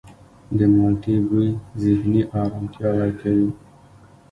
د مالټې بوی ذهني آرامتیا ورکوي.